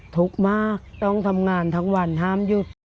ทุกข์มากต้องทำงานทั้งวันห้ามหยุด